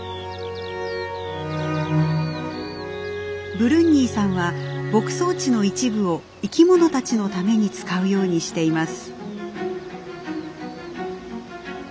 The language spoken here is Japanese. ブルンニーさんは牧草地の一部を生き物たちのために使うようにしています。